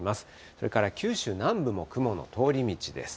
それから九州南部も雲の通り道です。